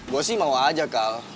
gue sih mau aja kal